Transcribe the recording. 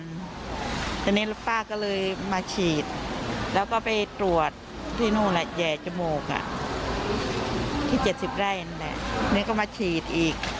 เพราะฉะนั้นป้าก็เลยมาฉีดแล้วก็ไปตรวจที่นู่นแห่จมูกที่๗๐แร่นี่ก็มาฉีดอีก